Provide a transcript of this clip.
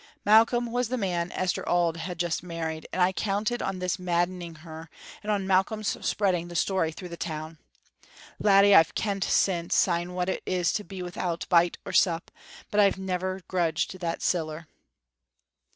Malcolm was the man Esther Auld had just married, and I counted on this maddening her and on Malcolm's spreading the story through the town. Laddie, I've kent since syne what it is to be without bite or sup, but I've never grudged that siller."